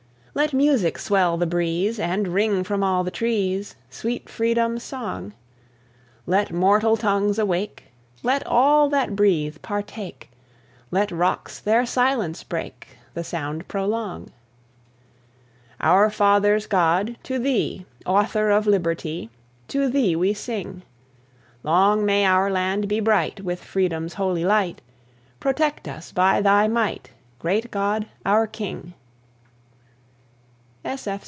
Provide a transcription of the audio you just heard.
Let music swell the breeze, And ring from all the trees Sweet freedom's song; Let mortal tongues awake; Let all that breathe partake; Let rocks their silence break The sound prolong. Our fathers' God, to Thee, Author of liberty, To Thee we sing: Long may our land be bright With freedom's holy light: Protect us by Thy might, Great God, our King.